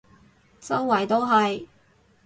周圍都係